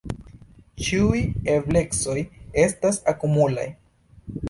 Ĉiuj eblecoj estas akumulaj.